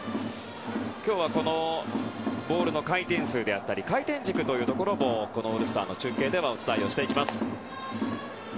今日はボールの回転数であったり回転軸というところもオールスターの中継ではお伝えをしていきます。